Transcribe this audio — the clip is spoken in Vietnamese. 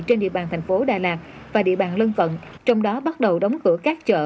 trên địa bàn thành phố đà lạt và địa bàn lân cận trong đó bắt đầu đóng cửa các chợ